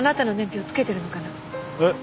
えっ？